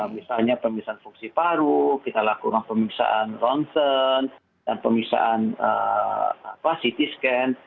misalnya pemisahan fungsi paru kita lakukan pemisahan lonsen pemisahan ct scan